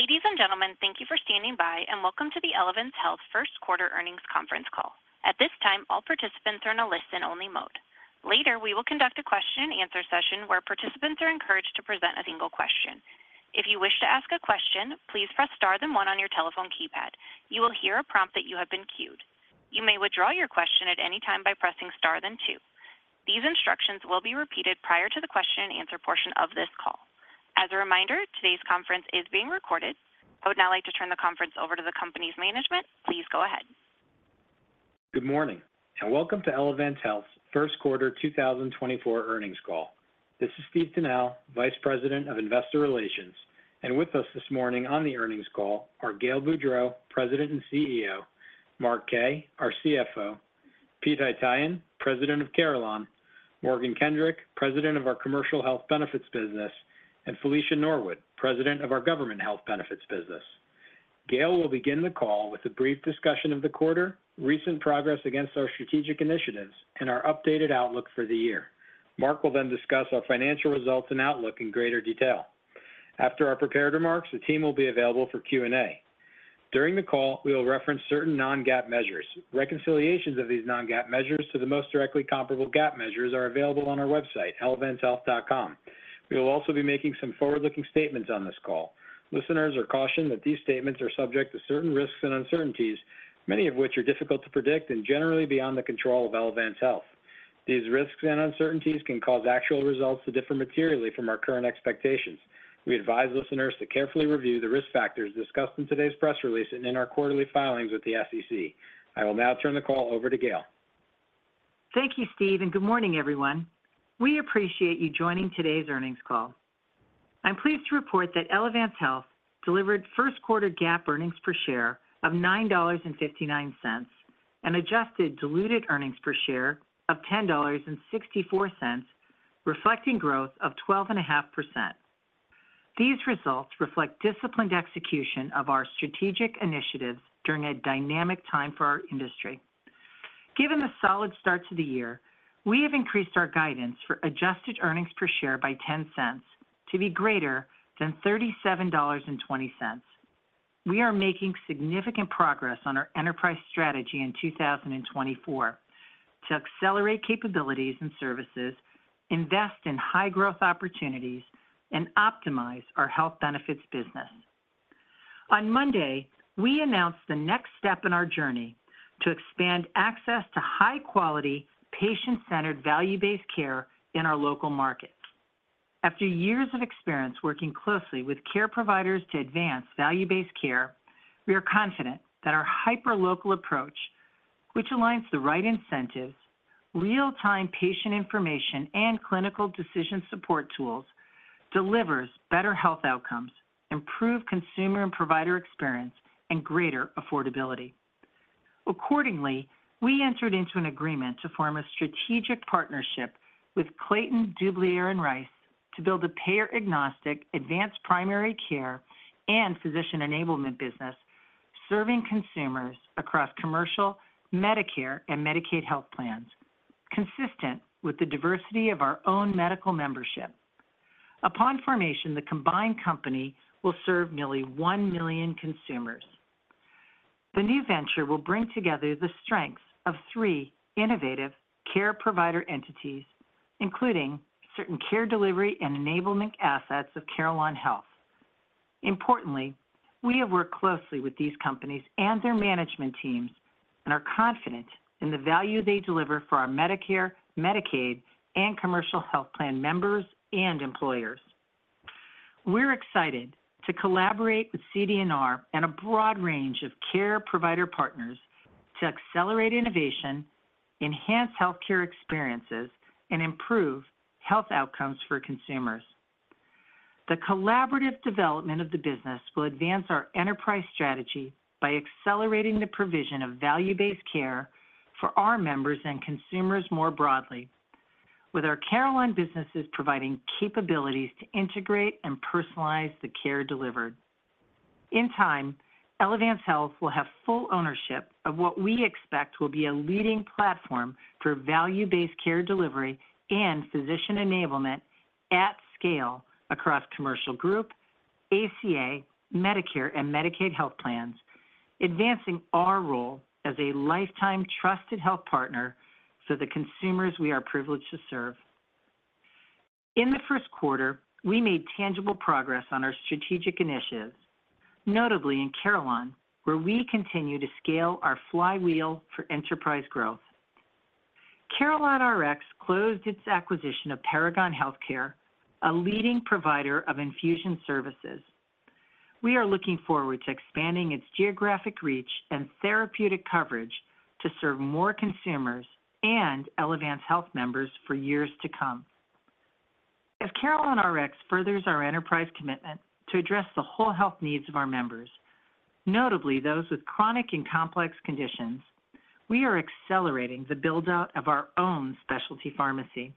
Ladies and gentlemen, thank you for standing by, and welcome to the Elevance Health First Quarter Earnings Conference Call. At this time, all participants are in a listen-only mode. Later, we will conduct a question-and-answer session where participants are encouraged to present a single question. If you wish to ask a question, please press star, then one on your telephone keypad. You will hear a prompt that you have been queued. You may withdraw your question at any time by pressing star, then two. These instructions will be repeated prior to the question-and-answer portion of this call. As a reminder, today's conference is being recorded. I would now like to turn the conference over to the company's management. Please go ahead. Good morning, and welcome to Elevance Health's First Quarter 2024 Earnings Call. This is Steve Tunnell, Vice President of Investor Relations, and with us this morning on the earnings call are Gail Boudreaux, President and CEO; Mark Kaye, our CFO; Pete Haytaian, President of Carelon; Morgan Kendrick, President of our Commercial Health Benefits business; and Felicia Norwood, President of our Government Health Benefits business. Gail will begin the call with a brief discussion of the quarter, recent progress against our strategic initiatives, and our updated outlook for the year. Mark will then discuss our financial results and outlook in greater detail. After our prepared remarks, the team will be available for Q&A. During the call, we will reference certain non-GAAP measures. Reconciliations of these non-GAAP measures to the most directly comparable GAAP measures are available on our website, elevancehealth.com. We will also be making some forward-looking statements on this call. Listeners are cautioned that these statements are subject to certain risks and uncertainties, many of which are difficult to predict and generally beyond the control of Elevance Health. These risks and uncertainties can cause actual results to differ materially from our current expectations. We advise listeners to carefully review the risk factors discussed in today's press release and in our quarterly filings with the SEC. I will now turn the call over to Gail. Thank you, Steve, and good morning, everyone. We appreciate you joining today's earnings call. I'm pleased to report that Elevance Health delivered first quarter GAAP earnings per share of $9.59, and adjusted diluted earnings per share of $10.64, reflecting growth of 12.5%. These results reflect disciplined execution of our strategic initiatives during a dynamic time for our industry. Given the solid start to the year, we have increased our guidance for adjusted earnings per share by $0.10 to be greater than $37.20. We are making significant progress on our enterprise strategy in 2024 to accelerate capabilities and services, invest in high-growth opportunities, and optimize our health benefits business. On Monday, we announced the next step in our journey to expand access to high-quality, patient-centered, value-based care in our local markets. After years of experience working closely with care providers to advance value-based care, we are confident that our hyperlocal approach, which aligns the right incentives, real-time patient information, and clinical decision support tools, delivers better health outcomes, improve consumer and provider experience, and greater affordability. Accordingly, we entered into an agreement to form a strategic partnership with Clayton, Dubilier & Rice to build a payer-agnostic, advanced primary care and physician enablement business, serving consumers across commercial, Medicare, and Medicaid health plans, consistent with the diversity of our own medical membership. Upon formation, the combined company will serve nearly 1 million consumers. The new venture will bring together the strengths of three innovative care provider entities, including certain care delivery and enablement assets of Carelon Health. Importantly, we have worked closely with these companies and their management teams and are confident in the value they deliver for our Medicare, Medicaid, and commercial health plan members and employers. We're excited to collaborate with CD&R and a broad range of care provider partners to accelerate innovation, enhance healthcare experiences, and improve health outcomes for consumers. The collaborative development of the business will advance our enterprise strategy by accelerating the provision of value-based care for our members and consumers more broadly, with our Carelon businesses providing capabilities to integrate and personalize the care delivered. In time, Elevance Health will have full ownership of what we expect will be a leading platform for value-based care delivery and physician enablement at scale across commercial group, ACA, Medicare, and Medicaid health plans, advancing our role as a lifetime trusted health partner for the consumers we are privileged to serve. In the first quarter, we made tangible progress on our strategic initiatives, notably in Carelon, where we continue to scale our flywheel for enterprise growth. CarelonRx closed its acquisition of Paragon Healthcare, a leading provider of infusion services. We are looking forward to expanding its geographic reach and therapeutic coverage to serve more consumers and Elevance Health members for years to come. As CarelonRx furthers our enterprise commitment to address the whole health needs of our members, notably those with chronic and complex conditions, we are accelerating the build-out of our own specialty pharmacy.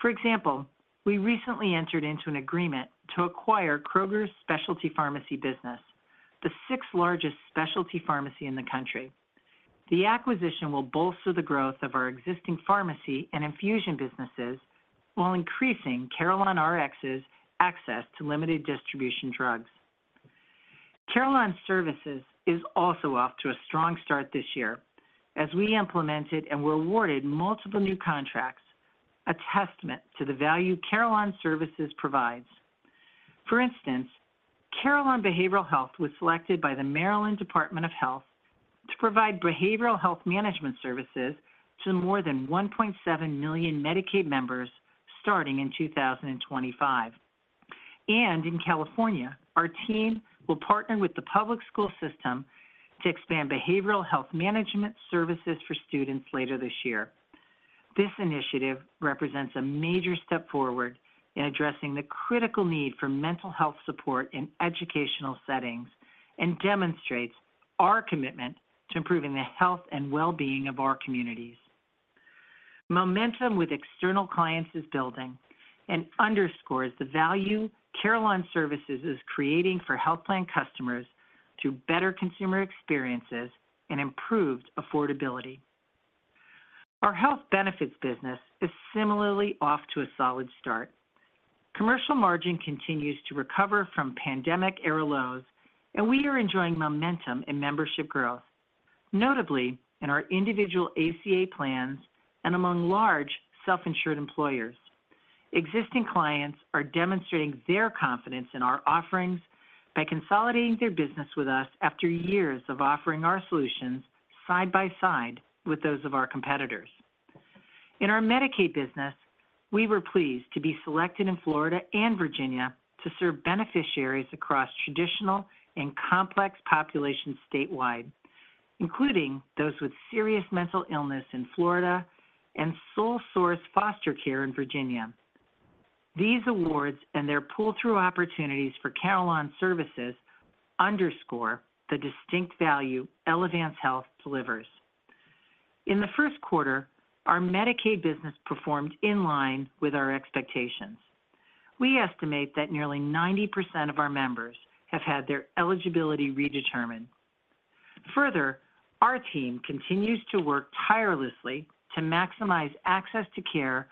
For example, we recently entered into an agreement to acquire Kroger's Specialty Pharmacy business, the sixth largest specialty pharmacy in the country.... The acquisition will bolster the growth of our existing pharmacy and infusion businesses, while increasing CarelonRx's access to limited distribution drugs. Carelon Services is also off to a strong start this year as we implemented and were awarded multiple new contracts, a testament to the value Carelon Services provides. For instance, Carelon Behavioral Health was selected by the Maryland Department of Health to provide behavioral health management services to more than 1.7 million Medicaid members starting in 2025. In California, our team will partner with the public school system to expand behavioral health management services for students later this year. This initiative represents a major step forward in addressing the critical need for mental health support in educational settings, and demonstrates our commitment to improving the health and well-being of our communities. Momentum with external clients is building and underscores the value Carelon Services is creating for health plan customers through better consumer experiences and improved affordability. Our health benefits business is similarly off to a solid start. Commercial margin continues to recover from pandemic era lows, and we are enjoying momentum in membership growth, notably in our individual ACA plans and among large self-insured employers. Existing clients are demonstrating their confidence in our offerings by consolidating their business with us after years of offering our solutions side by side with those of our competitors. In our Medicaid business, we were pleased to be selected in Florida and Virginia to serve beneficiaries across traditional and complex populations statewide, including those with serious mental illness in Florida and sole source foster care in Virginia. These awards and their pull-through opportunities for Carelon Services underscore the distinct value Elevance Health delivers. In the first quarter, our Medicaid business performed in line with our expectations. We estimate that nearly 90% of our members have had their eligibility redetermined. Further, our team continues to work tirelessly to maximize access to care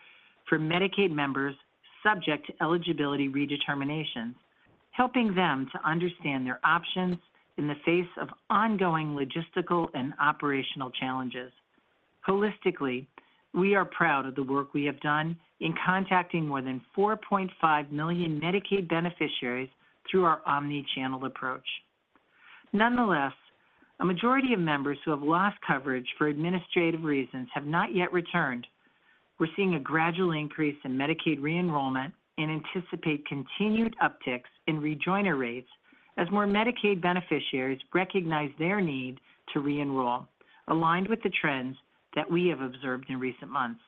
for Medicaid members subject to eligibility redeterminations, helping them to understand their options in the face of ongoing logistical and operational challenges. Holistically, we are proud of the work we have done in contacting more than 4.5 million Medicaid beneficiaries through our omni-channel approach. Nonetheless, a majority of members who have lost coverage for administrative reasons have not yet returned. We're seeing a gradual increase in Medicaid re-enrollment and anticipate continued upticks in rejoiner rates as more Medicaid beneficiaries recognize their need to re-enroll, aligned with the trends that we have observed in recent months.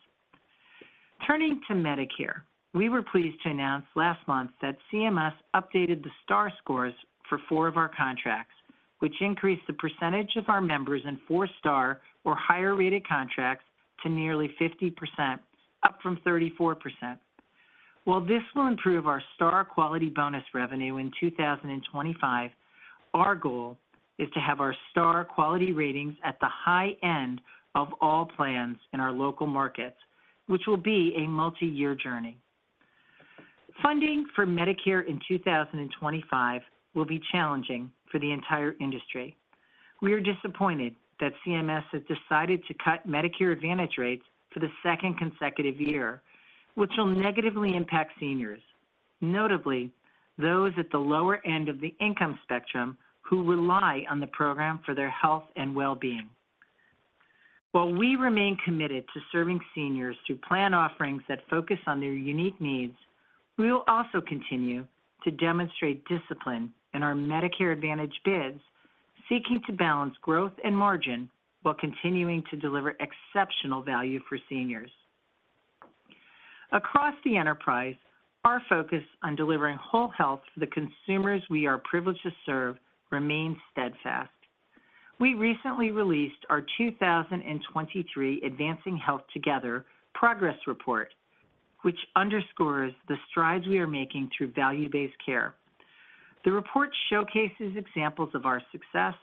Turning to Medicare, we were pleased to announce last month that CMS updated the Star Ratings for four of our contracts, which increased the percentage of our members in four-star or higher-rated contracts to nearly 50%, up from 34%. While this will improve our star quality bonus revenue in 2025, our goal is to have our star quality ratings at the high end of all plans in our local markets, which will be a multiyear journey. Funding for Medicare in 2025 will be challenging for the entire industry. We are disappointed that CMS has decided to cut Medicare Advantage rates for the second consecutive year, which will negatively impact seniors, notably those at the lower end of the income spectrum who rely on the program for their health and well-being. While we remain committed to serving seniors through plan offerings that focus on their unique needs, we will also continue to demonstrate discipline in our Medicare Advantage bids, seeking to balance growth and margin while continuing to deliver exceptional value for seniors. Across the enterprise, our focus on delivering whole health to the consumers we are privileged to serve remains steadfast. We recently released our 2023 Advancing Health Together progress report, which underscores the strides we are making through value-based care. The report showcases examples of our success,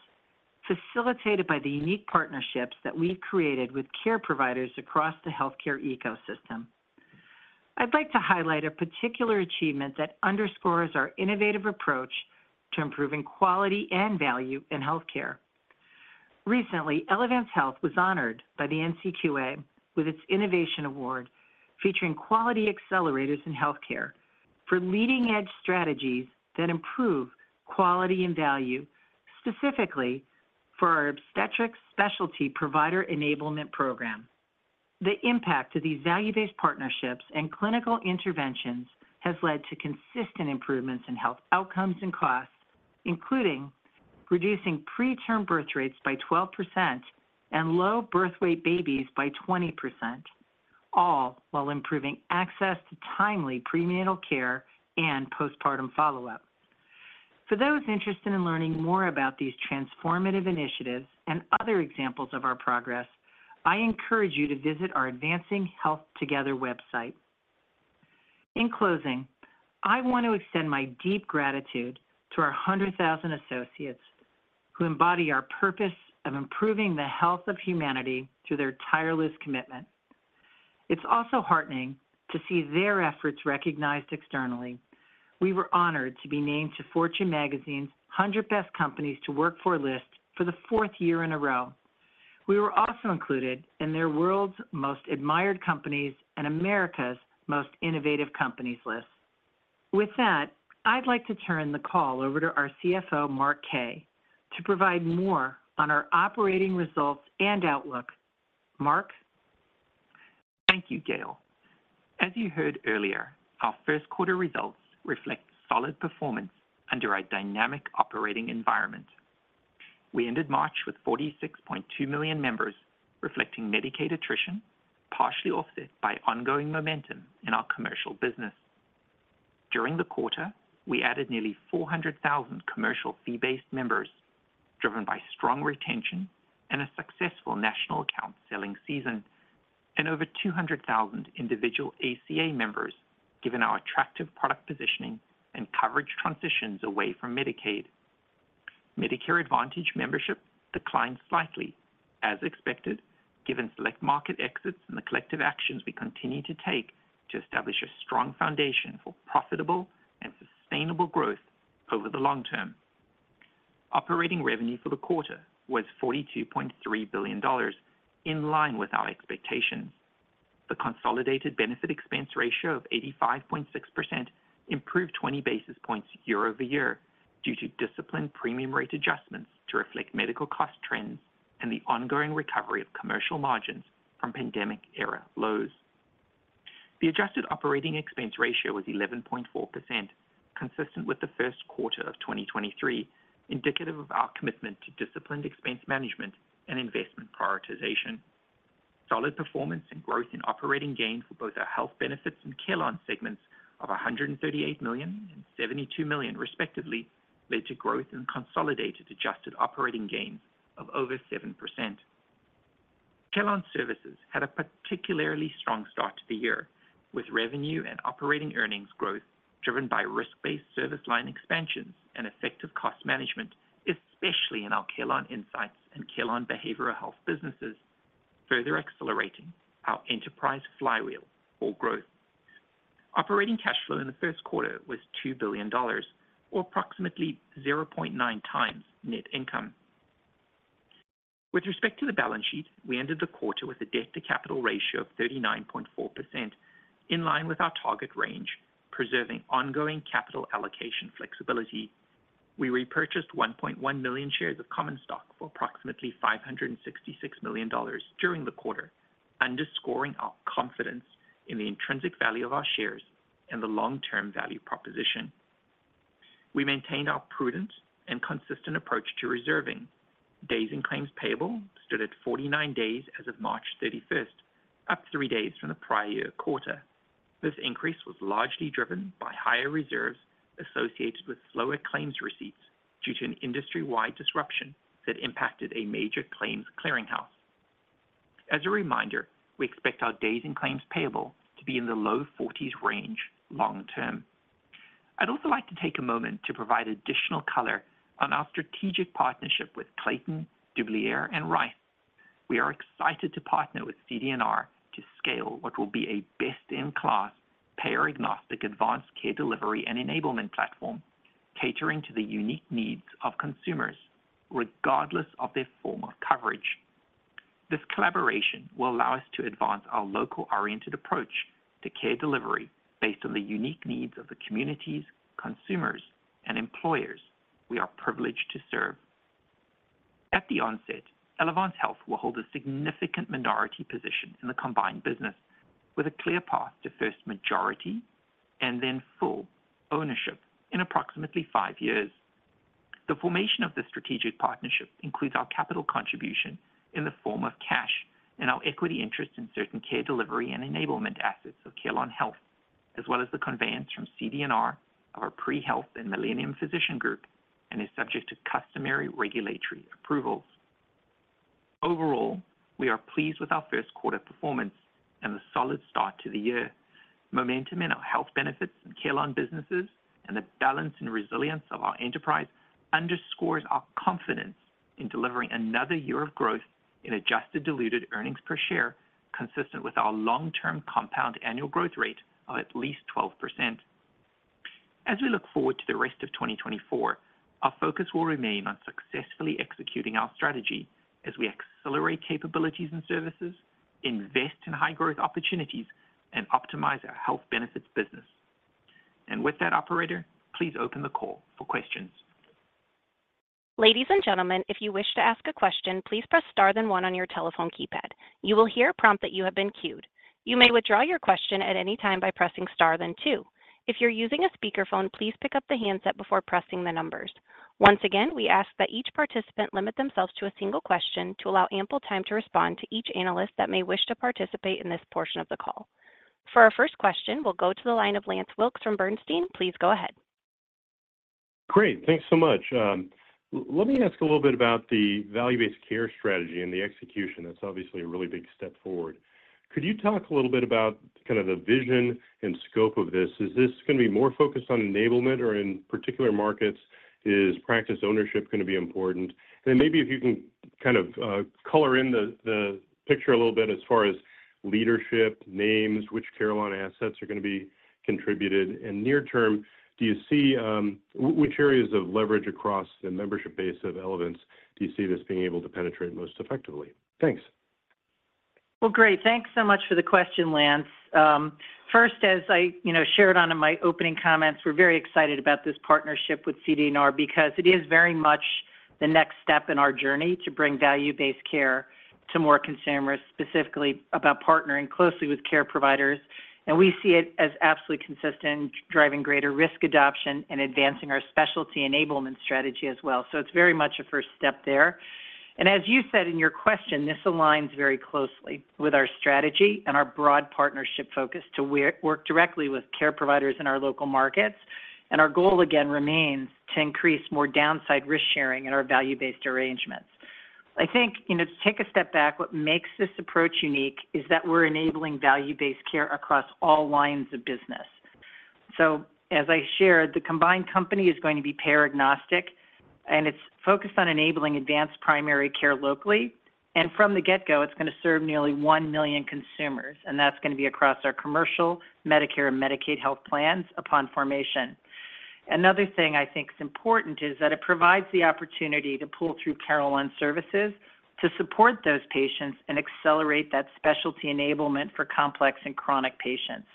facilitated by the unique partnerships that we've created with care providers across the healthcare ecosystem. I'd like to highlight a particular achievement that underscores our innovative approach to improving quality and value in healthcare. Recently, Elevance Health was honored by the NCQA with its Innovation Award, featuring quality accelerators in healthcare for leading-edge strategies that improve quality and value, specifically for our Obstetrics Specialty Provider Enablement Program. The impact of these value-based partnerships and clinical interventions has led to consistent improvements in health outcomes and costs, including reducing preterm birth rates by 12% and low birth weight babies by 20%, all while improving access to timely prenatal care and postpartum follow-up. For those interested in learning more about these transformative initiatives and other examples of our progress, I encourage you to visit our Advancing Health Together website.... In closing, I want to extend my deep gratitude to our 100,000 associates who embody our purpose of improving the health of humanity through their tireless commitment. It's also heartening to see their efforts recognized externally. We were honored to be named to Fortune Magazine's 100 Best Companies to Work For list for the fourth year in a row. We were also included in their World's Most Admired Companies and America's Most Innovative Companies list. With that, I'd like to turn the call over to our CFO, Mark Kaye, to provide more on our operating results and outlook. Mark? Thank you, Gail. As you heard earlier, our first quarter results reflect solid performance under a dynamic operating environment. We ended March with 46.2 million members, reflecting Medicaid attrition, partially offset by ongoing momentum in our commercial business. During the quarter, we added nearly 400,000 commercial fee-based members, driven by strong retention and a successful national account selling season, and over 200,000 individual ACA members, given our attractive product positioning and coverage transitions away from Medicaid. Medicare Advantage membership declined slightly, as expected, given select market exits and the collective actions we continue to take to establish a strong foundation for profitable and sustainable growth over the long term. Operating revenue for the quarter was $42.3 billion, in line with our expectations. The consolidated benefit expense ratio of 85.6% improved 20 basis points year-over-year, due to disciplined premium rate adjustments to reflect medical cost trends and the ongoing recovery of commercial margins from pandemic era lows. The adjusted operating expense ratio was 11.4%, consistent with the first quarter of 2023, indicative of our commitment to disciplined expense management and investment prioritization. Solid performance and growth in operating gains for both our health benefits and Carelon segments of $138 million and $72 million, respectively, led to growth in consolidated adjusted operating gains of over 7%. Carelon Services had a particularly strong start to the year, with revenue and operating earnings growth driven by risk-based service line expansions and effective cost management, especially in our Carelon Insights and Carelon Behavioral Health businesses, further accelerating our enterprise flywheel for growth. Operating cash flow in the first quarter was $2 billion or approximately 0.9 times net income. With respect to the balance sheet, we ended the quarter with a debt-to-capital ratio of 39.4%, in line with our target range, preserving ongoing capital allocation flexibility. We repurchased 1.1 million shares of common stock for approximately $566 million during the quarter, underscoring our confidence in the intrinsic value of our shares and the long-term value proposition. We maintained our prudent and consistent approach to reserving. Days in claims payable stood at 49 days as of March 31st, up three days from the prior year quarter. This increase was largely driven by higher reserves associated with slower claims receipts due to an industry-wide disruption that impacted a major claims clearinghouse. As a reminder, we expect our days in claims payable to be in the low 40s range long term. I'd also like to take a moment to provide additional color on our strategic partnership with Clayton, Dubilier & Rice. We are excited to partner with CD&R to scale what will be a best-in-class, payer-agnostic, advanced care delivery and enablement platform, catering to the unique needs of consumers, regardless of their form of coverage. This collaboration will allow us to advance our local-oriented approach to care delivery based on the unique needs of the communities, consumers, and employers we are privileged to serve. At the onset, Elevance Health will hold a significant minority position in the combined business with a clear path to first majority and then full ownership in approximately five years. The formation of this strategic partnership includes our capital contribution in the form of cash and our equity interest in certain care delivery and enablement assets of Carelon Health, as well as the conveyance from CD&R of our apree health and Millennium Physician Group, and is subject to customary regulatory approvals. Overall, we are pleased with our first quarter performance and the solid start to the year. Momentum in our health benefits and Carelon businesses and the balance and resilience of our enterprise underscores our confidence in delivering another year of growth in adjusted diluted earnings per share, consistent with our long-term compound annual growth rate of at least 12%. As we look forward to the rest of 2024, our focus will remain on successfully executing our strategy as we accelerate capabilities and services, invest in high growth opportunities, and optimize our health benefits business. With that, operator, please open the call for questions. Ladies and gentlemen, if you wish to ask a question, please press star then one on your telephone keypad. You will hear a prompt that you have been queued. You may withdraw your question at any time by pressing star then two. If you're using a speakerphone, please pick up the handset before pressing the numbers. Once again, we ask that each participant limit themselves to a single question to allow ample time to respond to each analyst that may wish to participate in this portion of the call. For our first question, we'll go to the line of Lance Wilkes from Bernstein. Please go ahead.... Great! Thanks so much. Let me ask a little bit about the value-based care strategy and the execution. That's obviously a really big step forward. Could you talk a little bit about kind of the vision and scope of this? Is this gonna be more focused on enablement or in particular markets, is practice ownership gonna be important? And then maybe if you can kind of color in the picture a little bit as far as leadership, names, which Carelon assets are gonna be contributed. And near term, do you see which areas of leverage across the membership base of Elevance do you see this being able to penetrate most effectively? Thanks. Well, great. Thanks so much for the question, Lance. First, as I, you know, shared on in my opening comments, we're very excited about this partnership with CD&R because it is very much the next step in our journey to bring value-based care to more consumers, specifically about partnering closely with care providers. And we see it as absolutely consistent, driving greater risk adoption, and advancing our specialty enablement strategy as well. So it's very much a first step there. And as you said in your question, this aligns very closely with our strategy and our broad partnership focus to work directly with care providers in our local markets. And our goal, again, remains to increase more downside risk sharing in our value-based arrangements. I think, you know, to take a step back, what makes this approach unique is that we're enabling value-based care across all lines of business. So as I shared, the combined company is going to be payer agnostic, and it's focused on enabling advanced primary care locally. And from the get-go, it's gonna serve nearly 1 million consumers, and that's gonna be across our commercial, Medicare, and Medicaid health plans upon formation. Another thing I think is important is that it provides the opportunity to pull through Carelon Services to support those patients and accelerate that specialty enablement for complex and chronic patients.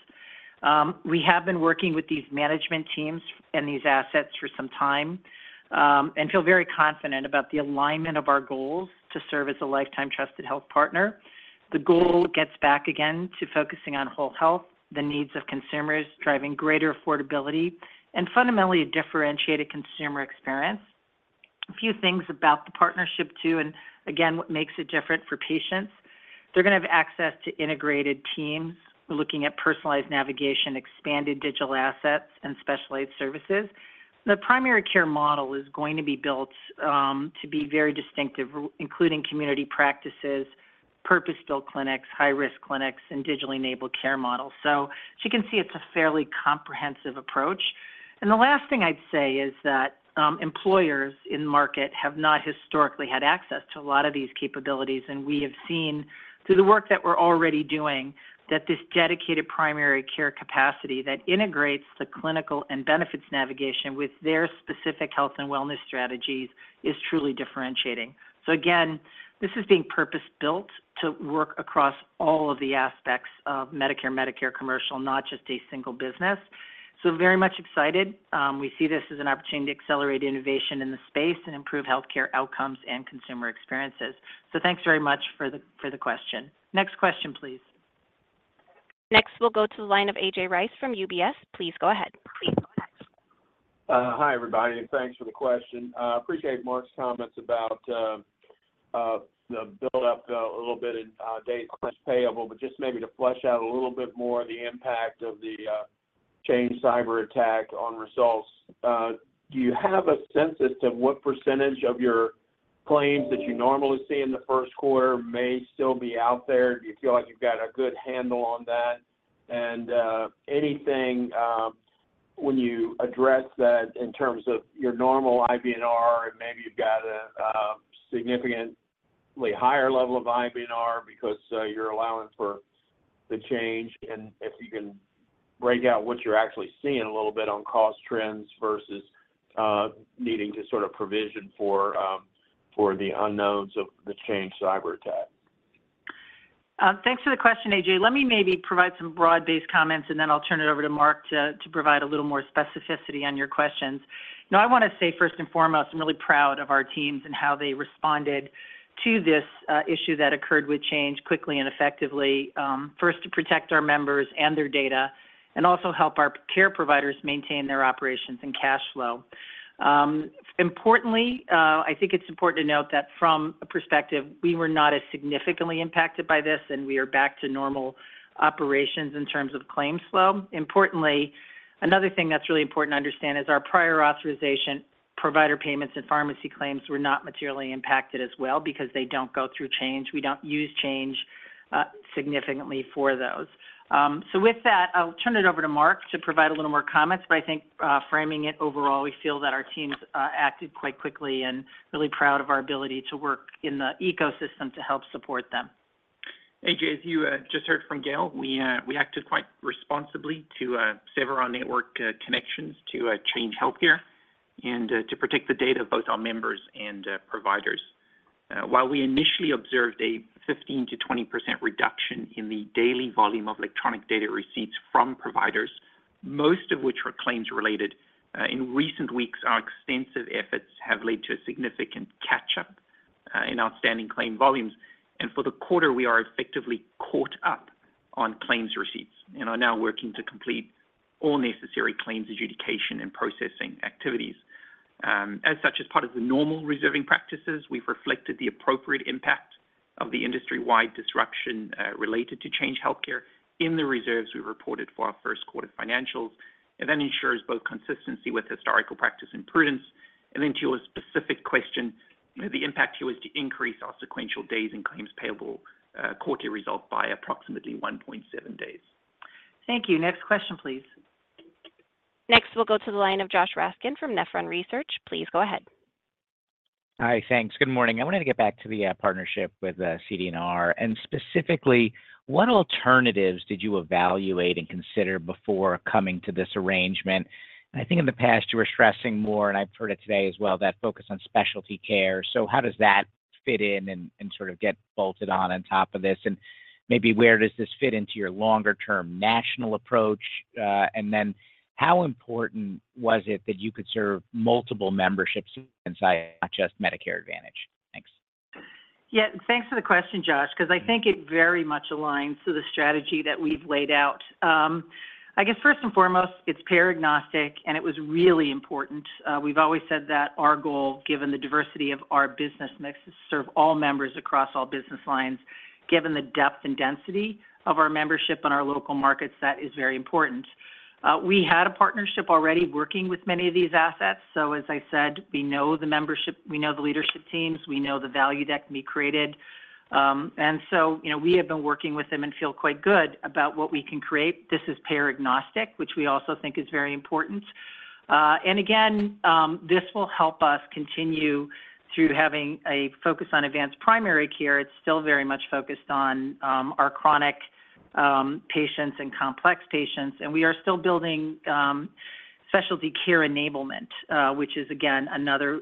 We have been working with these management teams and these assets for some time, and feel very confident about the alignment of our goals to serve as a lifetime trusted health partner. The goal gets back again to focusing on whole health, the needs of consumers, driving greater affordability, and fundamentally a differentiated consumer experience. A few things about the partnership, too, and again, what makes it different for patients, they're gonna have access to integrated teams, looking at personalized navigation, expanded digital assets, and specialized services. The primary care model is going to be built to be very distinctive, including community practices, purpose-built clinics, high-risk clinics, and digitally enabled care models. So as you can see, it's a fairly comprehensive approach. The last thing I'd say is that, employers in market have not historically had access to a lot of these capabilities, and we have seen through the work that we're already doing, that this dedicated primary care capacity that integrates the clinical and benefits navigation with their specific health and wellness strategies is truly differentiating. So again, this is being purpose-built to work across all of the aspects of Medicare, Medicare commercial, not just a single business. So, very much excited. We see this as an opportunity to accelerate innovation in the space and improve healthcare outcomes and consumer experiences. So, thanks very much for the, for the question. Next question, please. Next, we'll go to the line of A.J. Rice from UBS. Please go ahead. Hi, everybody, and thanks for the question. Appreciate Mark's comments about the build-up a little bit in days payable, but just maybe to flesh out a little bit more the impact of the Change Healthcare cyber attack on results. Do you have a sense as to what percentage of your claims that you normally see in the first quarter may still be out there? Do you feel like you've got a good handle on that? And anything when you address that in terms of your normal IBNR, and maybe you've got a significantly higher level of IBNR because you're allowing for the Change Healthcare, and if you can break out what you're actually seeing a little bit on cost trends versus needing to sort of provision for the unknowns of the Change Healthcare cyber attack. Thanks for the question, A.J. Let me maybe provide some broad-based comments, and then I'll turn it over to Mark to, to provide a little more specificity on your questions. Now, I wanna say, first and foremost, I'm really proud of our teams and how they responded to this issue that occurred with Change quickly and effectively, first, to protect our members and their data, and also help our care providers maintain their operations and cash flow. Importantly, I think it's important to note that from a perspective, we were not as significantly impacted by this, and we are back to normal operations in terms of claims flow. Importantly, another thing that's really important to understand is our prior authorization, provider payments, and pharmacy claims were not materially impacted as well because they don't go through Change. We don't use Change, significantly for those. So with that, I'll turn it over to Mark to provide a little more comments, but I think, framing it overall, we feel that our teams acted quite quickly and really proud of our ability to work in the ecosystem to help support them. A.J., as you just heard from Gail, we acted quite responsibly to sever our network connections to Change Healthcare and to protect the data of both our members and providers. While we initially observed a 15%-20% reduction in the daily volume of electronic data receipts from providers, most of which were claims related, in recent weeks, our extensive efforts have led to a significant catch-up in outstanding claim volumes. And for the quarter, we are effectively caught up on claims receipts and are now working to complete all necessary claims adjudication and processing activities. As such, as part of the normal reserving practices, we've reflected the appropriate impact-... of the industry-wide disruption related to Change Healthcare in the reserves we reported for our first quarter financials, and that ensures both consistency with historical practice and prudence. And then to your specific question, you know, the impact here was to increase our sequential days in claims payable quarterly result by approximately 1.7 days. Thank you. Next question, please. Next, we'll go to the line of Josh Raskin from Nephron Research. Please go ahead. Hi, thanks. Good morning. I wanted to get back to the partnership with CD&R, and specifically, what alternatives did you evaluate and consider before coming to this arrangement? I think in the past, you were stressing more, and I've heard it today as well, that focus on specialty care. So how does that fit in and, and sort of get bolted on on top of this? And maybe where does this fit into your longer-term national approach? And then how important was it that you could serve multiple memberships inside, not just Medicare Advantage? Thanks. Yeah, thanks for the question, Josh, 'cause I think it very much aligns to the strategy that we've laid out. I guess first and foremost, it's payer agnostic, and it was really important. We've always said that our goal, given the diversity of our business mix, is to serve all members across all business lines. Given the depth and density of our membership and our local markets, that is very important. We had a partnership already working with many of these assets, so as I said, we know the membership, we know the leadership teams, we know the value that can be created. And so, you know, we have been working with them and feel quite good about what we can create. This is payer agnostic, which we also think is very important. And again, this will help us continue through having a focus on advanced primary care. It's still very much focused on our chronic patients and complex patients, and we are still building specialty care enablement, which is, again, another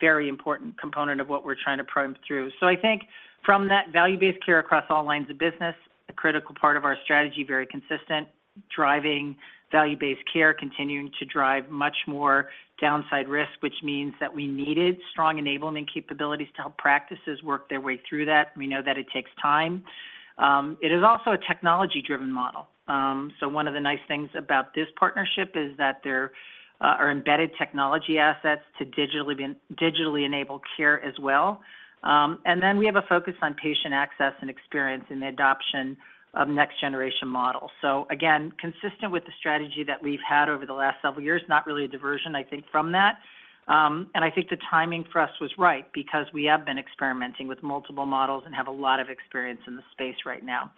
very important component of what we're trying to prime through. So I think from that value-based care across all lines of business, a critical part of our strategy, very consistent, driving value-based care, continuing to drive much more downside risk, which means that we needed strong enablement capabilities to help practices work their way through that. We know that it takes time. It is also a technology-driven model. So one of the nice things about this partnership is that there are embedded technology assets to digitally enable care as well. And then we have a focus on patient access and experience in the adoption of next generation models. So again, consistent with the strategy that we've had over the last several years, not really a diversion, I think, from that. And I think the timing for us was right because we have been experimenting with multiple models and have a lot of experience in this space right now.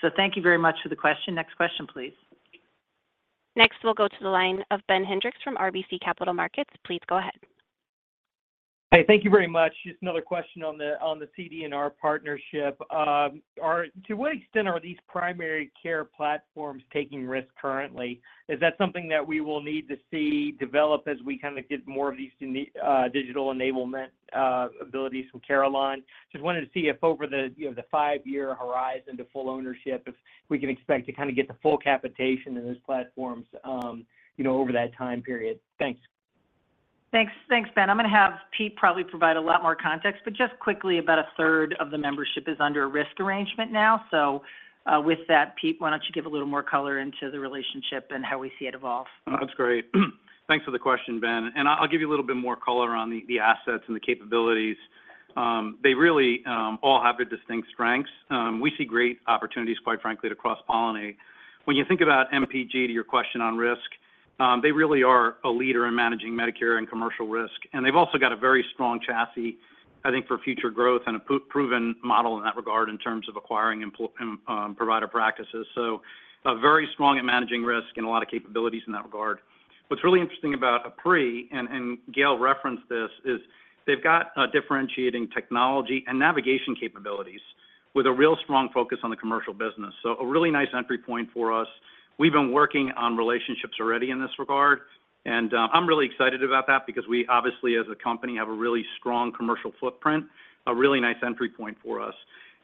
So thank you very much for the question. Next question, please. Next, we'll go to the line of Ben Hendrix from RBC Capital Markets. Please go ahead. Hey, thank you very much. Just another question on the, on the CD&R partnership. To what extent are these primary care platforms taking risk currently? Is that something that we will need to see develop as we kind of get more of these unique digital enablement abilities from Carelon? Just wanted to see if over the, you know, the five-year horizon to full ownership, if we can expect to kinda get the full capitation in these platforms, you know, over that time period. Thanks. Thanks. Thanks, Ben. I'm gonna have Pete probably provide a lot more context, but just quickly, about a third of the membership is under a risk arrangement now. So, with that, Pete, why don't you give a little more color into the relationship and how we see it evolve? That's great. Thanks for the question, Ben. I'll give you a little bit more color on the assets and the capabilities. They really all have their distinct strengths. We see great opportunities, quite frankly, to cross-pollinate. When you think about MPG, to your question on risk, they really are a leader in managing Medicare and commercial risk, and they've also got a very strong chassis, I think, for future growth and a proven model in that regard in terms of acquiring provider practices. So, very strong at managing risk and a lot of capabilities in that regard. What's really interesting about Apree, and Gail referenced this, is they've got a differentiating technology and navigation capabilities with a real strong focus on the commercial business. So a really nice entry point for us. We've been working on relationships already in this regard, and, I'm really excited about that because we obviously, as a company, have a really strong commercial footprint, a really nice entry point for us.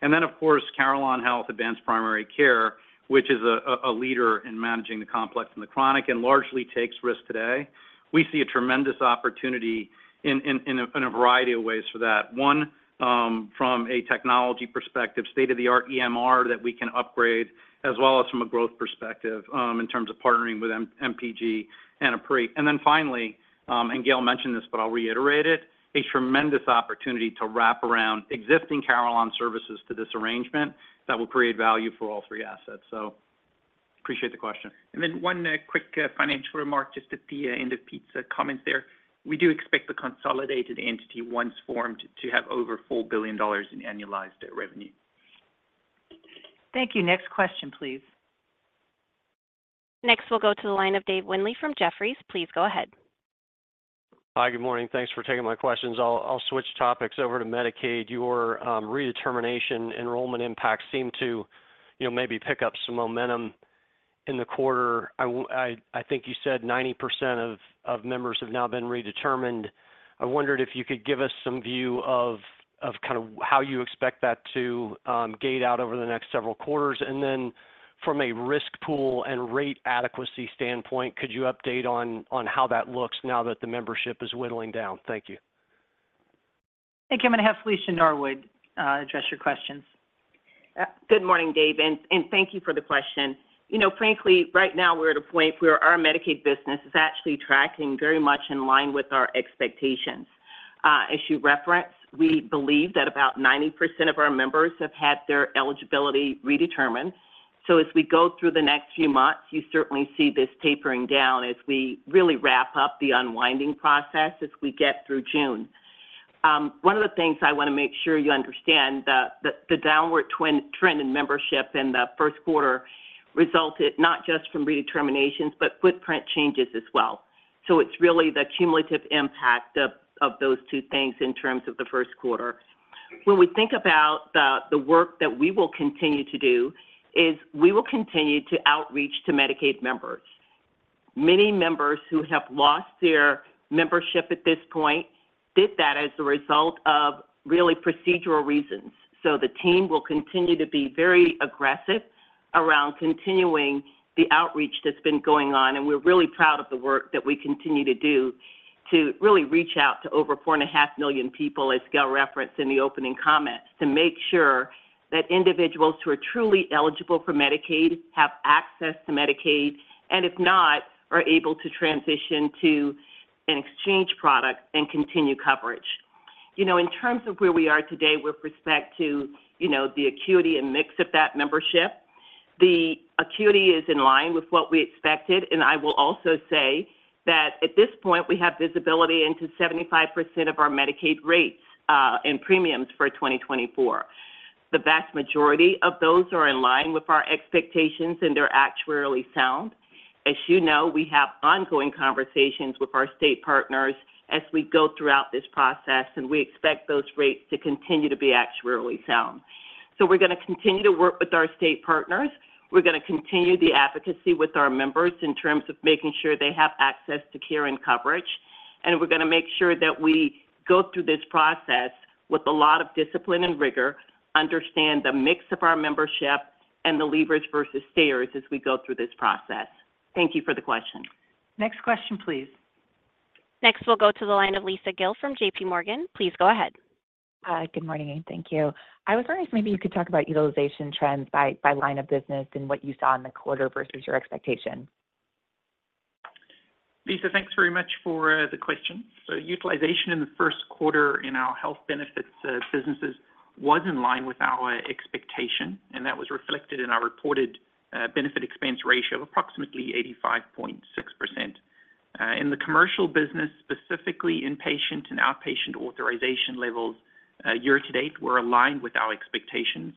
And then, of course, Carelon Health Advanced Primary Care, which is a leader in managing the complex and the chronic and largely takes risk today. We see a tremendous opportunity in a variety of ways for that. One, from a technology perspective, state-of-the-art EMR that we can upgrade, as well as from a growth perspective, in terms of partnering with MPG and Apree. And then finally, and Gail mentioned this, but I'll reiterate it, a tremendous opportunity to wrap around existing Carelon services to this arrangement that will create value for all three assets. So appreciate the question. Then one quick financial remark just at the end of Pete's comment there. We do expect the consolidated entity, once formed, to have over $4 billion in annualized revenue. Thank you. Next question, please. Next, we'll go to the line of Dave Windley from Jefferies. Please go ahead. Hi, good morning. Thanks for taking my questions. I'll switch topics over to Medicaid. Your redetermination enrollment impacts seem to, you know, maybe pick up some momentum in the quarter. I think you said 90% of members have now been redetermined. I wondered if you could give us some view of kind of how you expect that to gate out over the next several quarters. Then from a risk pool and rate adequacy standpoint, could you update on how that looks now that the membership is whittling down? Thank you. Thank you. I'm going to have Felicia Norwood address your questions.... Good morning, Dave, and, and thank you for the question. You know, frankly, right now we're at a point where our Medicaid business is actually tracking very much in line with our expectations. As you referenced, we believe that about 90% of our members have had their eligibility redetermined. So as we go through the next few months, you certainly see this tapering down as we really wrap up the unwinding process as we get through June. One of the things I want to make sure you understand, the downward trend in membership in the first quarter resulted not just from redeterminations, but footprint changes as well. So it's really the cumulative impact of those two things in terms of the first quarter. When we think about the work that we will continue to do, is we will continue to outreach to Medicaid members. Many members who have lost their membership at this point did that as a result of really procedural reasons. So the team will continue to be very aggressive around continuing the outreach that's been going on, and we're really proud of the work that we continue to do to really reach out to over 4.5 million people, as Gail referenced in the opening comments, to make sure that individuals who are truly eligible for Medicaid have access to Medicaid, and if not, are able to transition to an exchange product and continue coverage. You know, in terms of where we are today with respect to, you know, the acuity and mix of that membership, the acuity is in line with what we expected, and I will also say that at this point, we have visibility into 75% of our Medicaid rates, and premiums for 2024. The vast majority of those are in line with our expectations, and they're actuarially sound. As you know, we have ongoing conversations with our state partners as we go throughout this process, and we expect those rates to continue to be actuarially sound. So we're gonna continue to work with our state partners. We're gonna continue the advocacy with our members in terms of making sure they have access to care and coverage. We're gonna make sure that we go through this process with a lot of discipline and rigor, understand the mix of our membership and the leavers versus stayers as we go through this process. Thank you for the question. Next question, please. Next, we'll go to the line of Lisa Gill from JPMorgan. Please go ahead. Hi, good morning, and thank you. I was wondering if maybe you could talk about utilization trends by line of business and what you saw in the quarter versus your expectation. Lisa, thanks very much for the question. So utilization in the first quarter in our health benefits businesses was in line with our expectation, and that was reflected in our reported benefit expense ratio of approximately 85.6%. In the commercial business, specifically, inpatient and outpatient authorization levels year to date were aligned with our expectations,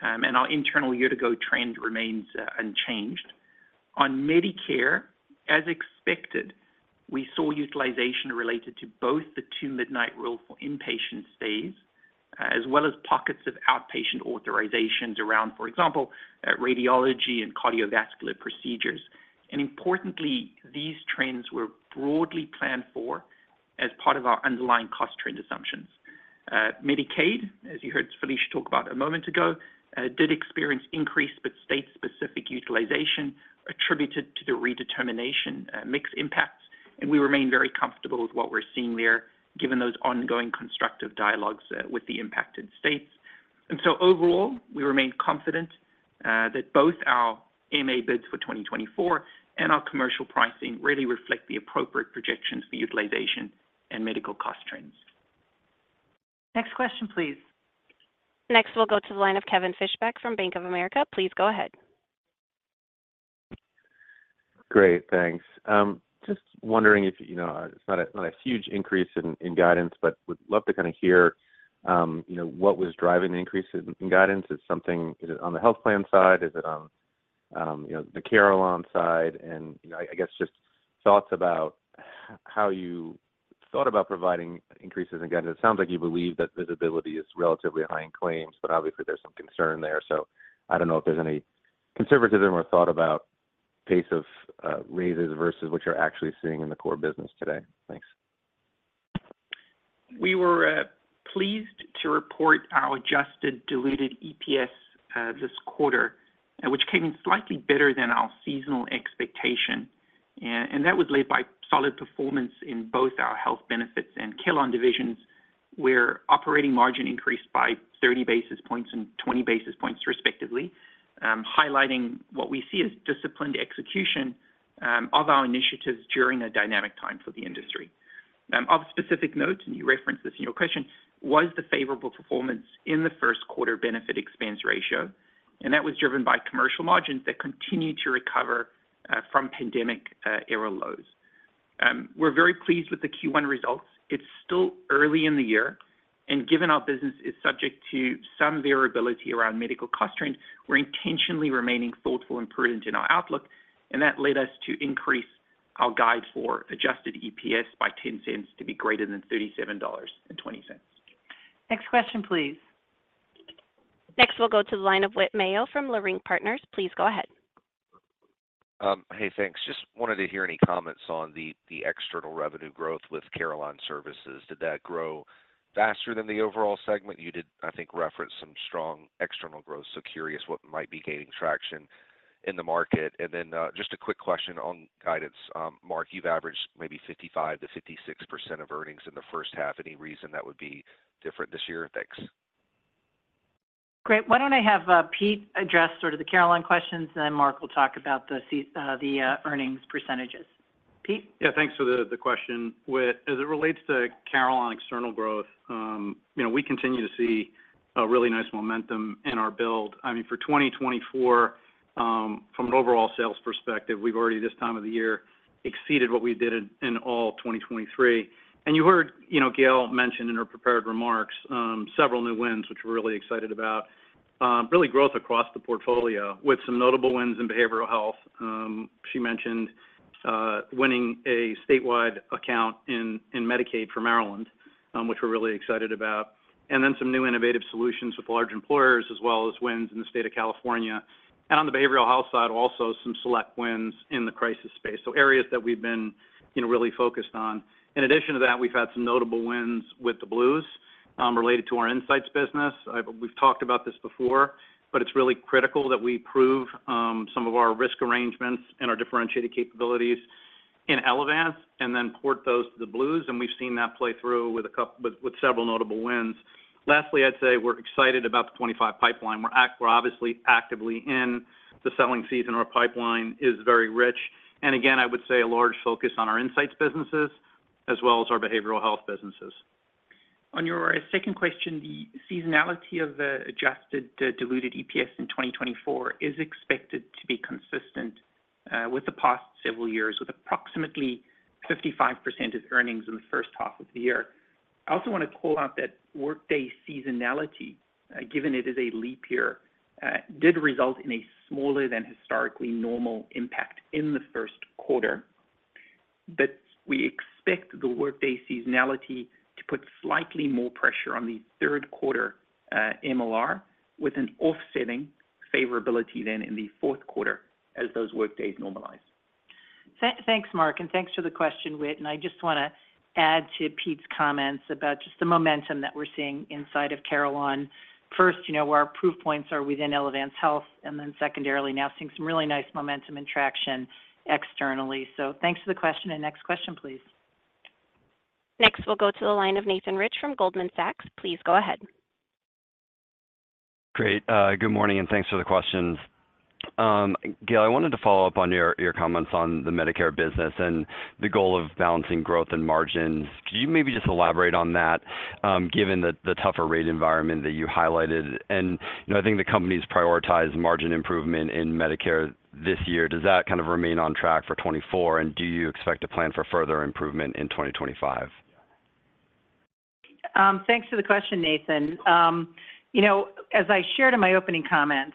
and our internal year-ago trend remains unchanged. On Medicare, as expected, we saw utilization related to both the Two-Midnight Rule for inpatient stays as well as pockets of outpatient authorizations around, for example, radiology and cardiovascular procedures. Importantly, these trends were broadly planned for as part of our underlying cost trend assumptions. Medicaid, as you heard Felicia talk about a moment ago, did experience increase, but state-specific utilization attributed to the redetermination, mixed impacts, and we remain very comfortable with what we're seeing there, given those ongoing constructive dialogues, with the impacted states. So overall, we remain confident that both our MA bids for 2024 and our commercial pricing really reflect the appropriate projections for utilization and medical cost trends. Next question, please. Next, we'll go to the line of Kevin Fischbeck from Bank of America. Please go ahead. Great, thanks. Just wondering if, you know, it's not a huge increase in guidance, but would love to kind of hear, you know, what was driving the increase in guidance. Is it something, is it on the health plan side? Is it on, you know, the Carelon side? And, you know, I guess just thoughts about how you thought about providing increases in guidance. It sounds like you believe that visibility is relatively high in claims, but obviously there's some concern there. So I don't know if there's any conservatism or thought about pace of raises versus what you're actually seeing in the core business today. Thanks. We were pleased to report our adjusted diluted EPS this quarter, which came in slightly better than our seasonal expectation. And that was led by solid performance in both our health benefits and Carelon divisions, where operating margin increased by 30 basis points and 20 basis points respectively, highlighting what we see as disciplined execution of our initiatives during a dynamic time for the industry. Of specific note, and you referenced this in your question, was the favorable performance in the first quarter benefit expense ratio, and that was driven by commercial margins that continued to recover from pandemic era lows. We're very pleased with the Q1 results. It's still early in the year, and given our business is subject to some variability around medical cost trends, we're intentionally remaining thoughtful and prudent in our outlook, and that led us to increase our guide for adjusted EPS by $0.10, to be greater than $37.20. Next question, please. Next, we'll go to the line of Whit Mayo from Leerink Partners. Please go ahead. Hey, thanks. Just wanted to hear any comments on the external revenue growth with Carelon Services. Did that grow faster than the overall segment? You did, I think, reference some strong external growth, so curious what might be gaining traction.... in the market? And then, just a quick question on guidance. Mark, you've averaged maybe 55%-56% of earnings in the first half. Any reason that would be different this year? Thanks. Great. Why don't I have Pete address sort of the Carelon questions, and then Mark will talk about the earnings percentages. Pete? Yeah, thanks for the question. With as it relates to Carelon external growth, you know, we continue to see a really nice momentum in our build. I mean, for 2024, from an overall sales perspective, we've already, this time of the year, exceeded what we did in all of 2023. And you heard, you know, Gail mention in her prepared remarks, several new wins, which we're really excited about. Really growth across the portfolio with some notable wins in behavioral health. She mentioned winning a statewide account in Medicaid for Maryland, which we're really excited about. And then some new innovative solutions with large employers, as well as wins in the state of California. And on the behavioral health side, also some select wins in the crisis space. So areas that we've been, you know, really focused on. In addition to that, we've had some notable wins with the Blues, related to our insights business. We've talked about this before, but it's really critical that we prove some of our risk arrangements and our differentiated capabilities in Elevance, and then port those to the Blues, and we've seen that play through with several notable wins. Lastly, I'd say we're excited about the 25 pipeline. We're obviously actively in the selling season. Our pipeline is very rich. And again, I would say a large focus on our insights businesses, as well as our behavioral health businesses. On your second question, the seasonality of the adjusted diluted EPS in 2024 is expected to be consistent with the past several years, with approximately 55% of earnings in the first half of the year. I also want to call out that workday seasonality, given it is a leap year, did result in a smaller than historically normal impact in the first quarter. But we expect the workday seasonality to put slightly more pressure on the third quarter, MLR, with an offsetting favorability then in the fourth quarter as those workdays normalize. Thanks, Mark, and thanks for the question, Whit. And I just wanna add to Pete's comments about just the momentum that we're seeing inside of Carelon. First, you know, where our proof points are within Elevance Health, and then secondarily, now seeing some really nice momentum and traction externally. So thanks for the question, and next question, please. Next, we'll go to the line of Nathan Rich from Goldman Sachs. Please go ahead. Great. Good morning, and thanks for the questions. Gail, I wanted to follow up on your, your comments on the Medicare business and the goal of balancing growth and margins. Could you maybe just elaborate on that, given the, the tougher rate environment that you highlighted? And, you know, I think the company's prioritized margin improvement in Medicare this year. Does that kind of remain on track for 2024, and do you expect to plan for further improvement in 2025? Thanks for the question, Nathan. You know, as I shared in my opening comments,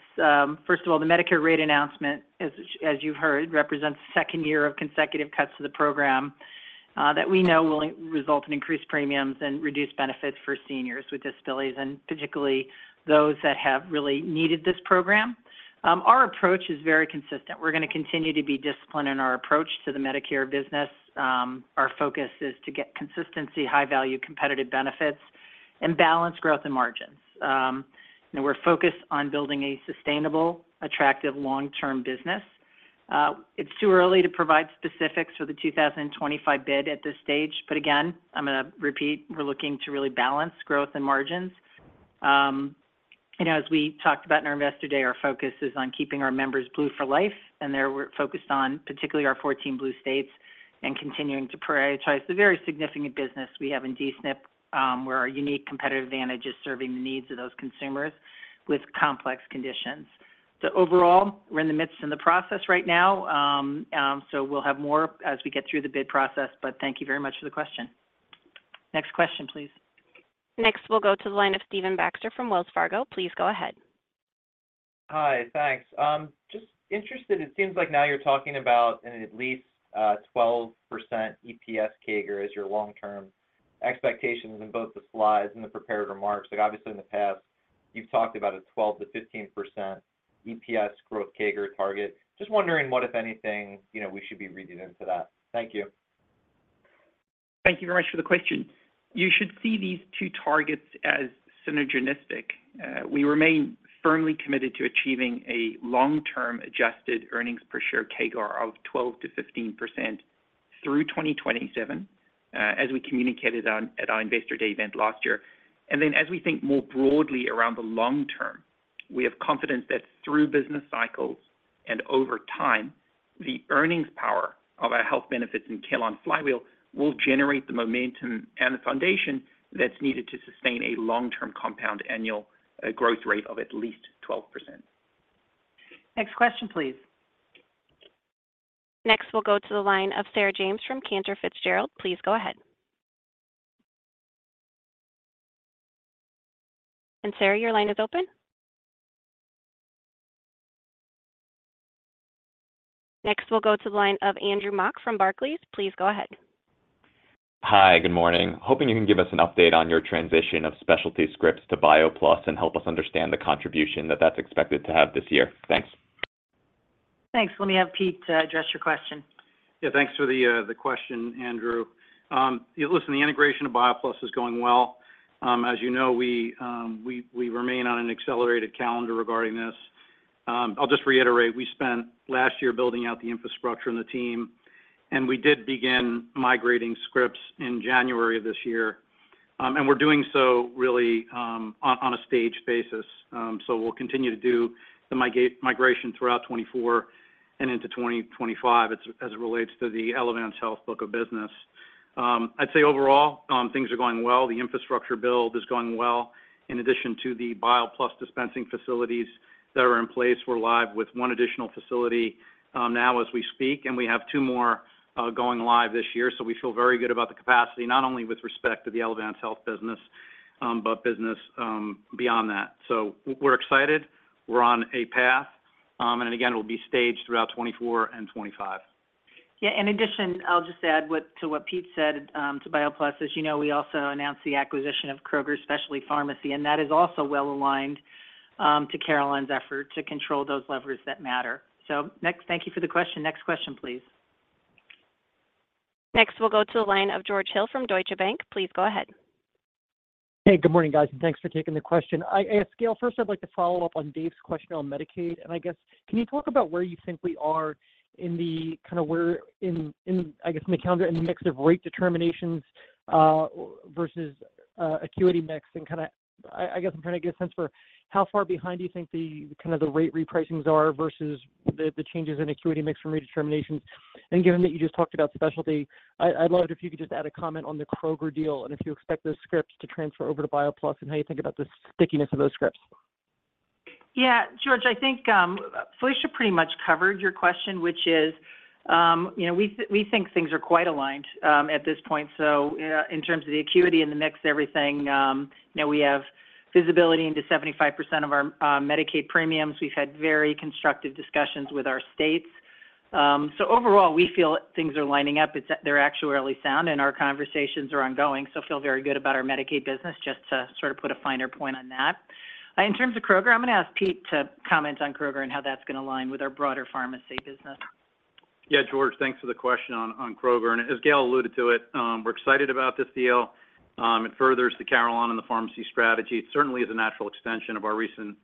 first of all, the Medicare rate announcement, as you've heard, represents the second year of consecutive cuts to the program, that we know will result in increased premiums and reduced benefits for seniors with disabilities, and particularly those that have really needed this program. Our approach is very consistent. We're gonna continue to be disciplined in our approach to the Medicare business. Our focus is to get consistency, high value, competitive benefits, and balance growth and margins. And we're focused on building a sustainable, attractive long-term business. It's too early to provide specifics for the 2025 bid at this stage, but again, I'm gonna repeat, we're looking to really balance growth and margins. As we talked about in our Investor Day, our focus is on keeping our members Blue for life, and there we're focused on particularly our 14 Blue states and continuing to prioritize the very significant business we have in D-SNP, where our unique competitive advantage is serving the needs of those consumers with complex conditions. So overall, we're in the midst of the process right now, so we'll have more as we get through the bid process, but thank you very much for the question. Next question, please. Next, we'll go to the line of Stephen Baxter from Wells Fargo. Please go ahead. Hi, thanks. Just interested, it seems like now you're talking about at least 12% EPS CAGR as your long-term expectations in both the slides and the prepared remarks. Like, obviously, in the past, you've talked about a 12%-15% EPS growth CAGR target. Just wondering what, if anything, you know, we should be reading into that. Thank you. Thank you very much for the question. You should see these two targets as synergistic. We remain firmly committed to achieving a long-term adjusted earnings per share CAGR of 12%-15% through 2027, as we communicated on at our Investor Day event last year. And then as we think more broadly around the long term, we have confidence that through business cycles and over time, the earnings power of our health benefits and Carelon flywheel will generate the momentum and the foundation that's needed to sustain a long-term compound annual growth rate of at least 12%. Next question, please. Next, we'll go to the line of Sarah James from Cantor Fitzgerald. Please go ahead. And Sarah, your line is open? Next, we'll go to the line of Andrew Mok from Barclays. Please go ahead. Hi, good morning. Hoping you can give us an update on your transition of specialty scripts to BioPlus and help us understand the contribution that that's expected to have this year. Thanks. Thanks. Let me have Pete address your question.... Yeah, thanks for the question, Andrew. Yeah, listen, the integration of BioPlus is going well. As you know, we remain on an accelerated calendar regarding this. I'll just reiterate, we spent last year building out the infrastructure and the team, and we did begin migrating scripts in January of this year. And we're doing so really on a stage basis. So we'll continue to do the migration throughout 2024 and into 2025, as it relates to the Elevance Health book of business. I'd say overall, things are going well. The infrastructure build is going well. In addition to the BioPlus dispensing facilities that are in place, we're live with one additional facility now as we speak, and we have two more going live this year. So we feel very good about the capacity, not only with respect to the Elevance Health business, but business beyond that. So we're excited, we're on a path, and again, it will be staged throughout 2024 and 2025. Yeah, in addition, I'll just add to what Pete said to BioPlus. As you know, we also announced the acquisition of Kroger Specialty Pharmacy, and that is also well aligned to Carelon's effort to control those levers that matter. So next. Thank you for the question. Next question, please. Next, we'll go to the line of George Hill from Deutsche Bank. Please go ahead. Hey, good morning, guys, and thanks for taking the question. Gail, first, I'd like to follow up on Dave's question on Medicaid. And I guess, can you talk about where you think we are in the kind of where in in I guess in the calendar and the mix of rate determinations versus acuity mix? And kinda, I guess I'm trying to get a sense for how far behind you think the kind of the rate repricings are versus the changes in acuity mix from redeterminations. And given that you just talked about specialty, I'd love it if you could just add a comment on the Kroger deal, and if you expect those scripts to transfer over to BioPlus, and how you think about the stickiness of those scripts. Yeah, George, I think, Felicia pretty much covered your question, which is, you know, we think things are quite aligned, at this point. So, in terms of the acuity and the mix, everything, you know, we have visibility into 75% of our, Medicaid premiums. We've had very constructive discussions with our states. So overall, we feel things are lining up. They're actuarially sound, and our conversations are ongoing, so feel very good about our Medicaid business, just to sort of put a finer point on that. In terms of Kroger, I'm gonna ask Pete to comment on Kroger and how that's gonna align with our broader pharmacy business. Yeah, George, thanks for the question on Kroger. As Gail alluded to it, we're excited about this deal. It furthers the Carelon and the pharmacy strategy. It certainly is a natural extension of our recent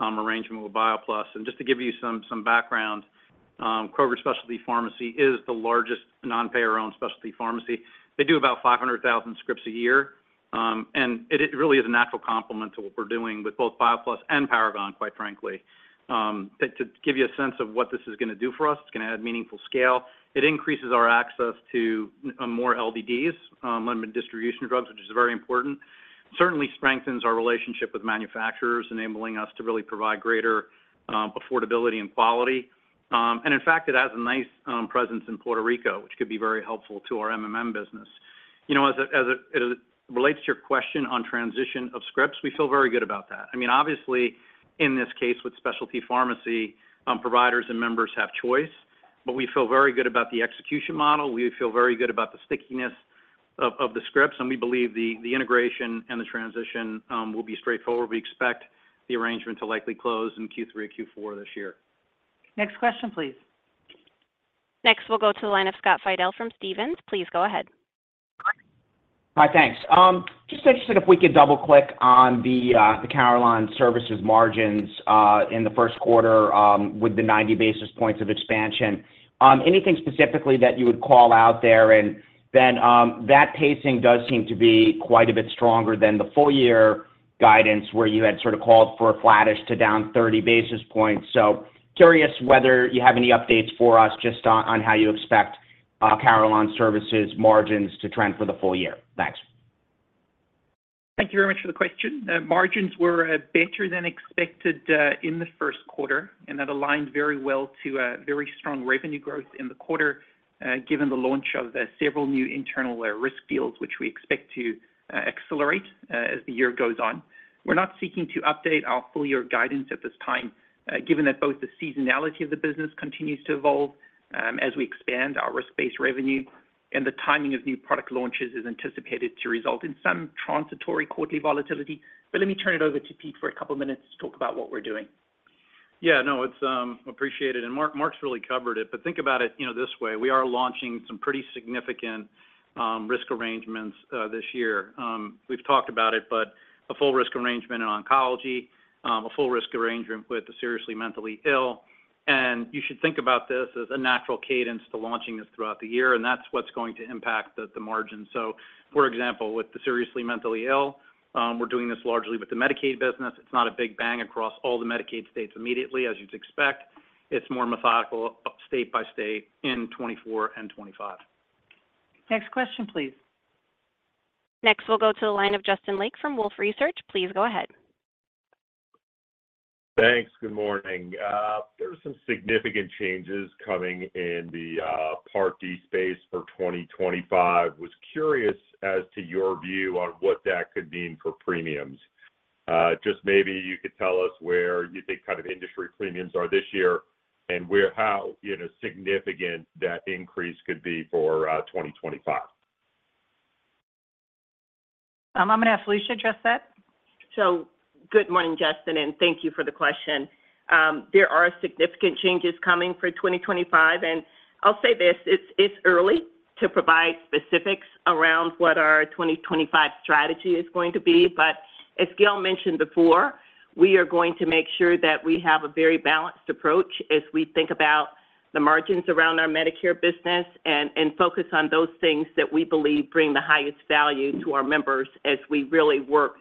arrangement with BioPlus. And just to give you some background, Kroger Specialty Pharmacy is the largest non-payer-owned specialty pharmacy. They do about 500,000 scripts a year, and it really is a natural complement to what we're doing with both BioPlus and Paragon, quite frankly. To give you a sense of what this is gonna do for us, it's gonna add meaningful scale. It increases our access to more LDDs, limited distribution drugs, which is very important. Certainly strengthens our relationship with manufacturers, enabling us to really provide greater affordability and quality. And in fact, it has a nice presence in Puerto Rico, which could be very helpful to our MMM business. You know, as it relates to your question on transition of scripts, we feel very good about that. I mean, obviously, in this case, with specialty pharmacy, providers and members have choice, but we feel very good about the execution model, we feel very good about the stickiness of the scripts, and we believe the integration and the transition will be straightforward. We expect the arrangement to likely close in Q3, Q4 this year. Next question, please. Next, we'll go to the line of Scott Fidel from Stephens. Please go ahead. Hi, thanks. Just interested if we could double-click on the Carelon Services margins in the first quarter with the 90 basis points of expansion. Anything specifically that you would call out there? And then, that pacing does seem to be quite a bit stronger than the full year guidance, where you had sort of called for a flattish to down 30 basis points. So curious whether you have any updates for us just on how you expect Carelon Services margins to trend for the full year. Thanks. Thank you very much for the question. The margins were better than expected in the first quarter, and that aligned very well to a very strong revenue growth in the quarter, given the launch of the several new internal risk deals, which we expect to accelerate as the year goes on. We're not seeking to update our full year guidance at this time, given that both the seasonality of the business continues to evolve, as we expand our risk-based revenue, and the timing of new product launches is anticipated to result in some transitory quarterly volatility. But let me turn it over to Pete for a couple of minutes to talk about what we're doing. Yeah, no, it's appreciated, and Mark, Mark's really covered it. But think about it, you know, this way: we are launching some pretty significant risk arrangements this year. We've talked about it, but a full risk arrangement in oncology, a full risk arrangement with the seriously mentally ill. And you should think about this as a natural cadence to launching this throughout the year, and that's what's going to impact the margin. So for example, with the seriously mentally ill, we're doing this largely with the Medicaid business. It's not a big bang across all the Medicaid states immediately, as you'd expect. It's more methodical, state by state in 2024 and 2025. Next question, please. Next, we'll go to the line of Justin Lake from Wolfe Research. Please go ahead. Thanks. Good morning. There are some significant changes coming in the Part D space for 2025. Was curious as to your view on what that could mean for premiums? Just maybe you could tell us where you think kind of industry premiums are this year, and where how, you know, significant that increase could be for 2025?... I'm gonna have Felicia address that. So good morning, Justin, and thank you for the question. There are significant changes coming for 2025, and I'll say this, it's early to provide specifics around what our 2025 strategy is going to be. But as Gail mentioned before, we are going to make sure that we have a very balanced approach as we think about the margins around our Medicare business, and focus on those things that we believe bring the highest value to our members as we really work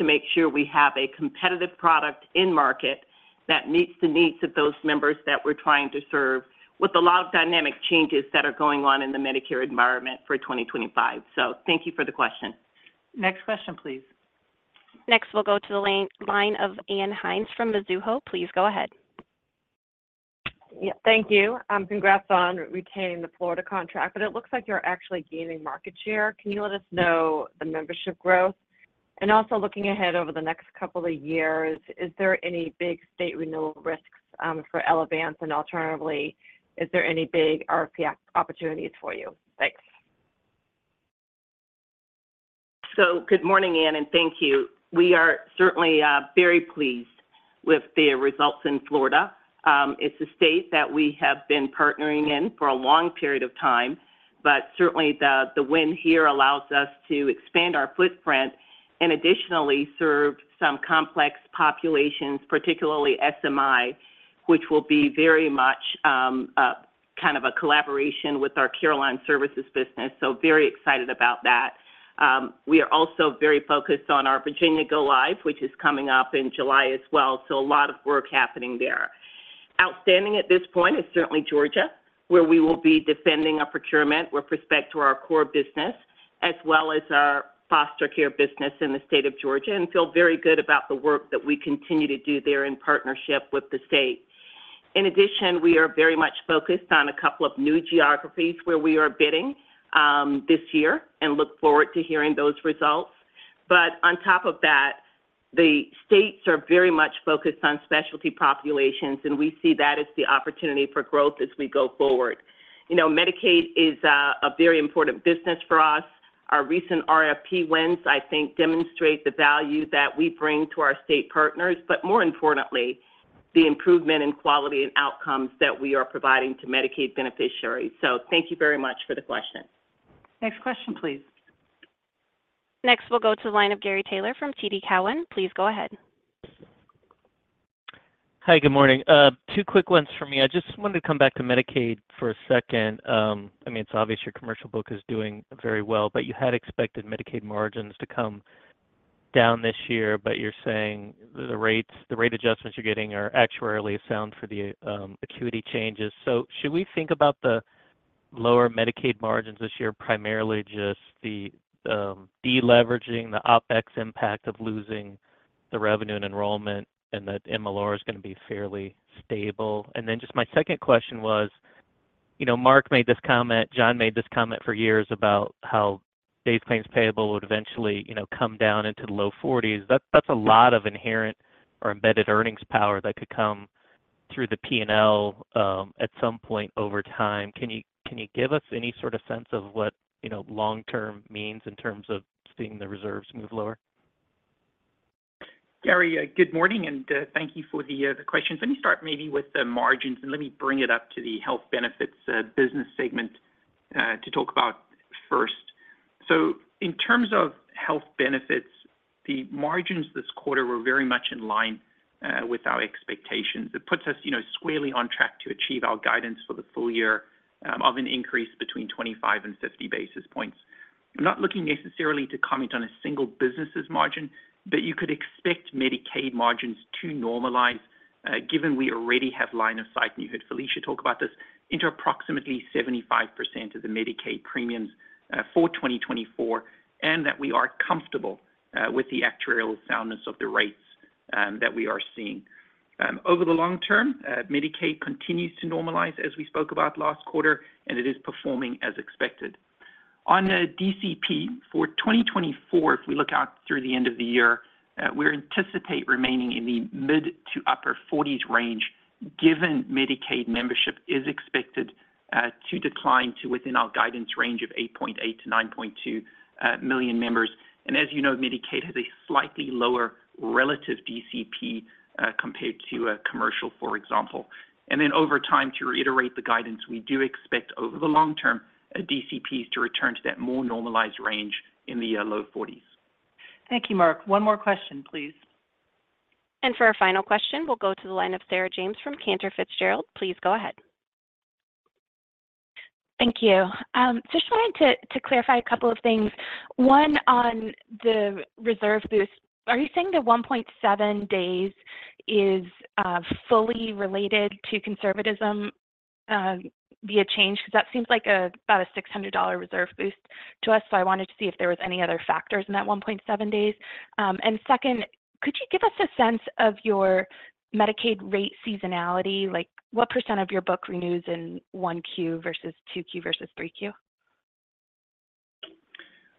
to make sure we have a competitive product in market that meets the needs of those members that we're trying to serve, with a lot of dynamic changes that are going on in the Medicare environment for 2025. So thank you for the question. Next question, please. Next, we'll go to the line of Ann Hynes from Mizuho. Please go ahead. Yeah, thank you. Congrats on retaining the Florida contract, but it looks like you're actually gaining market share. Can you let us know the membership growth? And also looking ahead over the next couple of years, is there any big state renewal risks for Elevance? And alternatively, is there any big RFP opportunities for you? Thanks. So good morning, Ann, and thank you. We are certainly very pleased with the results in Florida. It's a state that we have been partnering in for a long period of time, but certainly the win here allows us to expand our footprint and additionally serve some complex populations, particularly SMI, which will be very much kind of a collaboration with our Carelon Services business, so very excited about that. We are also very focused on our Virginia go live, which is coming up in July as well, so a lot of work happening there. Outstanding at this point is certainly Georgia, where we will be defending a procurement with respect to our core business, as well as our foster care business in the state of Georgia, and feel very good about the work that we continue to do there in partnership with the state. In addition, we are very much focused on a couple of new geographies where we are bidding this year, and look forward to hearing those results. But on top of that, the states are very much focused on specialty populations, and we see that as the opportunity for growth as we go forward. You know, Medicaid is a very important business for us. Our recent RFP wins, I think, demonstrate the value that we bring to our state partners, but more importantly, the improvement in quality and outcomes that we are providing to Medicaid beneficiaries. Thank you very much for the question. Next question, please. Next, we'll go to the line of Gary Taylor from TD Cowen. Please go ahead. Hi, good morning. Two quick ones for me. I just wanted to come back to Medicaid for a second. I mean, it's obvious your commercial book is doing very well, but you had expected Medicaid margins to come down this year, but you're saying the rates the rate adjustments you're getting are actuarially sound for the, acuity changes. So should we think about the lower Medicaid margins this year, primarily just the, deleveraging, the OpEx impact of losing the revenue and enrollment, and that MLR is gonna be fairly stable? And then just my second question was, you know, Mark made this comment, John made this comment for years about how days claims payable would eventually, you know, come down into the low 40s. That's, that's a lot of inherent or embedded earnings power that could come through the P&L, at some point over time. Can you, can you give us any sort of sense of what, you know, long term means in terms of seeing the reserves move lower? Gary, good morning, and thank you for the questions. Let me start maybe with the margins, and let me bring it up to the health benefits business segment to talk about first. So in terms of health benefits, the margins this quarter were very much in line with our expectations. It puts us, you know, squarely on track to achieve our guidance for the full year of an increase between 25 and 50 basis points. I'm not looking necessarily to comment on a single business's margin, but you could expect Medicaid margins to normalize given we already have line of sight, and you heard Felicia talk about this, into approximately 75% of the Medicaid premiums for 2024, and that we are comfortable with the actuarial soundness of the rates that we are seeing. Over the long term, Medicaid continues to normalize, as we spoke about last quarter, and it is performing as expected. On the DCP for 2024, if we look out through the end of the year, we're anticipate remaining in the mid- to upper-40s range, given Medicaid membership is expected to decline to within our guidance range of 8.8 million-9.2 million members. And as you know, Medicaid has a slightly lower relative DCP compared to a commercial, for example. And then over time, to reiterate the guidance, we do expect over the long term, a DCPs to return to that more normalized range in the low 40s. Thank you, Mark. One more question, please. For our final question, we'll go to the line of Sarah James from Cantor Fitzgerald. Please go ahead. Thank you. Just wanted to clarify a couple of things. One, on the reserve boost, are you saying the 1.7 days is fully related to conservatism via change? Because that seems like about a $600 reserve boost to us, so I wanted to see if there was any other factors in that 1.7 days. And second, could you give us a sense of your Medicaid rate seasonality? Like, what % of your book renews in 1Q versus 2Q versus 3Q?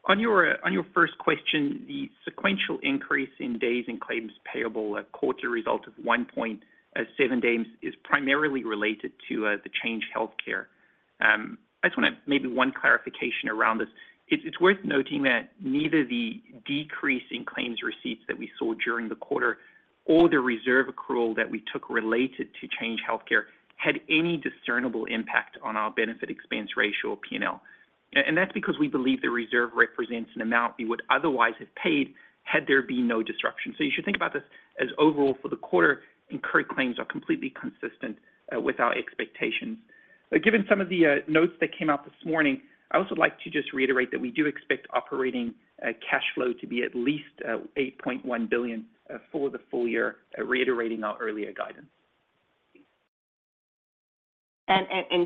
On your first question, the sequential increase in days in claims payable of 1.7 days is primarily related to the Change Healthcare. I just want to make one clarification around this. It's worth noting that neither the decrease in claims receipts that we saw during the quarter or the reserve accrual that we took related to Change Healthcare had any discernible impact on our benefit expense ratio or P&L. And that's because we believe the reserve represents an amount we would otherwise have paid had there been no disruption. So you should think about this as overall for the quarter, incurred claims are completely consistent with our expectations. Given some of the notes that came out this morning, I also would like to just reiterate that we do expect operating cash flow to be at least $8.1 billion for the full year, reiterating our earlier guidance.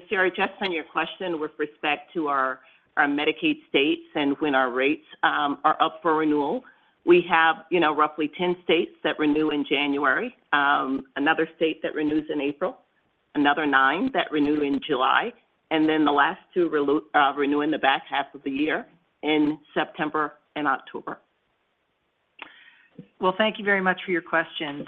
Sarah, just on your question with respect to our Medicaid states and when our rates are up for renewal, we have, you know, roughly 10 states that renew in January, another state that renews in April, another nine that renew in July, and then the last two renew in the back half of the year in September and October. Well, thank you very much for your questions.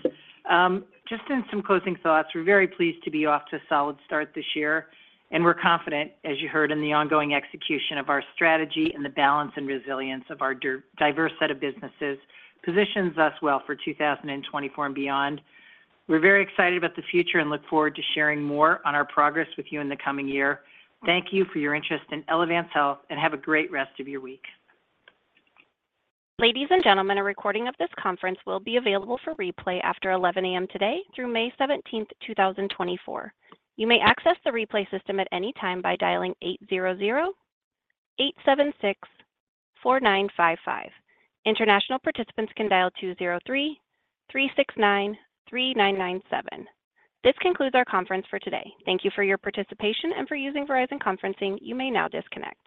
Just in some closing thoughts, we're very pleased to be off to a solid start this year, and we're confident, as you heard, in the ongoing execution of our strategy and the balance and resilience of our diverse set of businesses, positions us well for 2024 and beyond. We're very excited about the future and look forward to sharing more on our progress with you in the coming year. Thank you for your interest in Elevance Health, and have a great rest of your week. Ladies and gentlemen, a recording of this conference will be available for replay after 11 A.M. today through May 17th, 2024. You may access the replay system at any time by dialing 800-876-4955. International participants can dial 203-369-3997. This concludes our conference for today. Thank you for your participation and for using Verizon Conferencing. You may now disconnect.